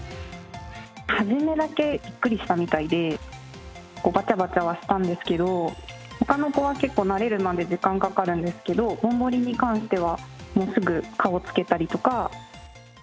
初めだけびっくりしたみたいで、ばたばたはしたんですけど、ほかの子は結構慣れるまで時間かかるんですけど、ぼんぼりに関しては、もうすぐ顔つけたりとか。